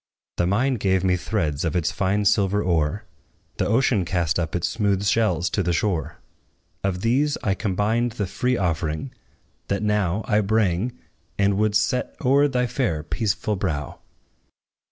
The mine gave me threads of its fine silver ore; The ocean cast up its smooth shells to the shore: Of these I combined the free offering, that now I bring, and would set o'er thy fair, peaceful brow.